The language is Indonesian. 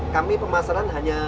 kami pemasaran hanya